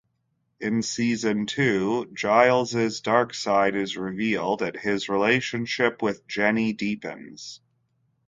In Season Two, Giles's dark side is revealed and his relationship with Jenny deepens.